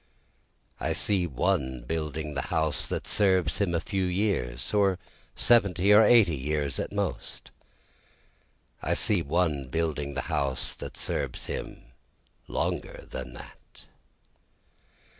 (I see one building the house that serves him a few years, or seventy or eighty years at most, I see one building the house that serves him longer than that.)